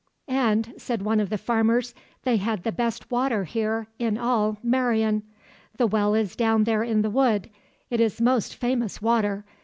"And," said one of the farmers, "they had the best water here in all Meirion. The well is down there in the wood; it is most famous water.